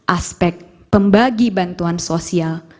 aspek pembagi bantuan sosial